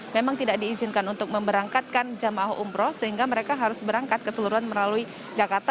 memang tidak diizinkan untuk memberangkatkan jamaah umroh sehingga mereka harus berangkat ke seluruhan melalui jakarta